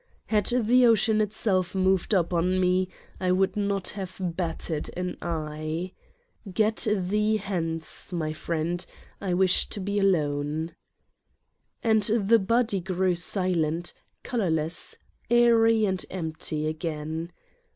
Had the ocean itself moved up on me I would not have batted an eye ! Get thee hence, my friend, I wish to be alone. And the body grew silent, colorless, airy and empty again.